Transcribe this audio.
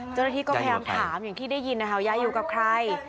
เจ้าหน้าที่ก็พยายามถามอย่างที่ได้ยินนะคะยายอยู่กับใคร